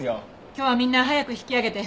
今日はみんな早く引き揚げて。